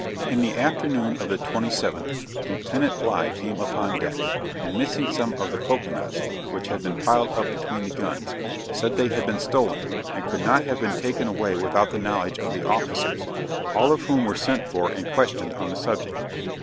'In the afternoon of the 27th, Lieutenant Bligh came upon deck, and missing some of the cocoa nuts, which had been piled up between the guns, said they had been stolen, and could not have been taken away without the knowledge of the officers, all of whom were sent for and questioned on the subject.